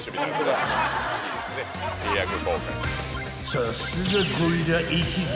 ［さすがゴリラ一族］